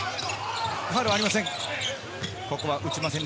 ファールはありません。